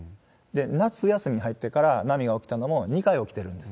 夏休みに入ってから波が起きたのも、２回起きてるんです。